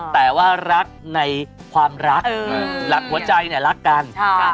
แต่ว่ารักในความรักหลักหัวใจเนี่ยรักกัน